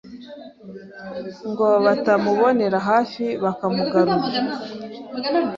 ngo batamubonera hafi bakamugarura